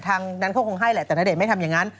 ทางนั้นเขาคงให้แหละแต่ณเดชนไม่ทำอย่างนั้น